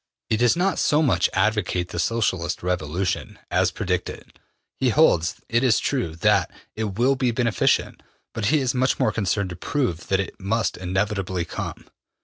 He does not so much advocate the Socialist revolution as predict it. He holds, it is true, that it will be beneficent, but he is much more concerned to prove that it must inevitably come.